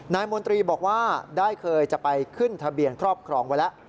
มนตรีบอกว่าได้เคยจะไปขึ้นทะเบียนครอบครองไว้แล้ว